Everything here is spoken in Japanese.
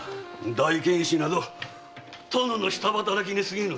大検使など殿の下働きにすぎぬ。